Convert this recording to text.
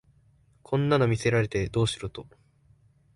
こんなの見せられてどうしろと